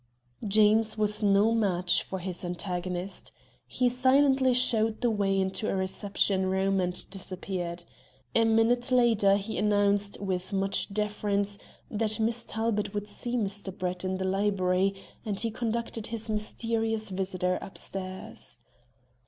Jeames was no match for his antagonist. He silently showed the way into a reception room and disappeared. A minute later he announced, with much deference, that Miss Talbot would see Mr. Brett in the library, and he conducted this mysterious visitor upstairs.